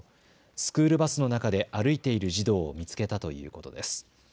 スクールバスの中で歩いている児童を見つけたということです。